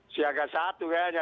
siangkan satu kayaknya